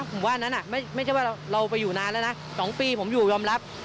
ผมว่าอันนั้นไม่ใช่ว่าเราไปอยู่นานแล้วนะ๒ปีผมอยู่ยอมรับ